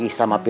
ini yang jadi